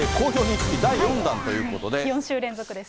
４週連続です。